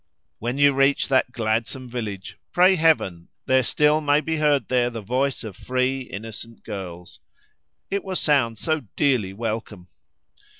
When you reach that gladsome village, pray Heaven there still may be heard there the voice of free, innocent girls. It will sound so dearly welcome!